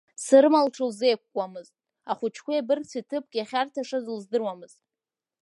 Сырма лҽылзеиқәкуамызт, ахәыҷқәеи абыргцәеи ҭыԥк иахьарҭашаз лыздырамызт…